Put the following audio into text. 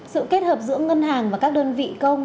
sự kết hợp giữa ngân hàng và các đơn vị công